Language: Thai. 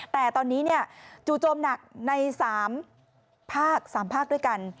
แต่ตอนนี้จู่โจมหนักใน๓ภาค๓ภาคด้วยกัน